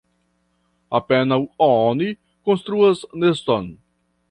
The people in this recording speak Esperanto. Apenaŭ oni konstruas neston.